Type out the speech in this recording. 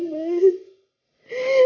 masa berhenti bersia siakan